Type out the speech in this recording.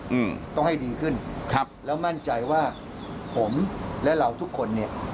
อืมต้องให้ดีขึ้นครับแล้วมั่นใจว่าผมและเราทุกคนเนี้ย